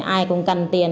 ai cũng cần tiền